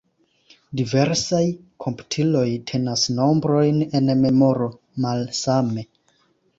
Diversaj komputiloj tenas nombrojn en memoro malsame.